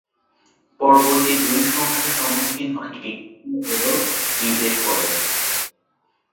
পরবর্তী দুই সংখ্যা সম্মুখীন হওয়া নির্দিষ্ট এরর নির্দেশ করে।